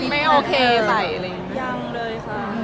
ไม่โอเคไป